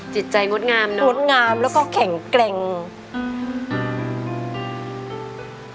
จิตใจงดงามเนอะงดงามแล้วก็แข็งเกร็งจิตใจงดงามเนอะงดงามแล้วก็แข็งเกร็ง